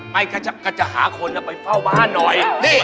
ไม่ก็จะหาคนอ่ะไปเฝ้าบ้านหน่อย